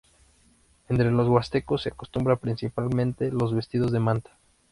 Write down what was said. Entre los huastecos se acostumbra principalmente los vestidos de manta.